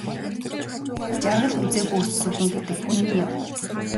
Жаргал үзээгүй өссөн хүн гэдэг үнэн юм.